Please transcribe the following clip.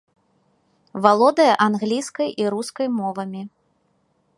Валодае англійскай і рускай мовамі.